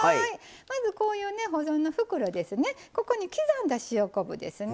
まずこういうね保存の袋ですね。